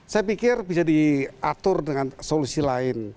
saya pikir bisa diatur dengan solusi lain